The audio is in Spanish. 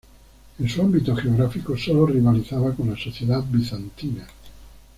En su ámbito geográfico sólo rivalizaba con la sociedad bizantina.